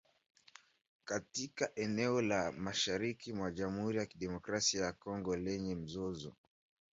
katika eneo la mashariki mwa jamhuri ya kidemokrasia ya Kongo lenye mzozo